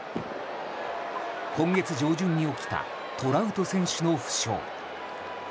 今月上旬に起きたトラウト選手の負傷。